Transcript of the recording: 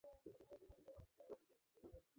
তিনি বিরোধীদলের নেতা ছিলেন।